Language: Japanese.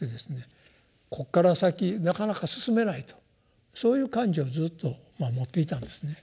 ここから先なかなか進めないとそういう感情をずっとまあ持っていたんですね。